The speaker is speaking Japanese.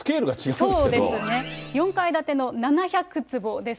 そうですね、４階建ての７００坪です。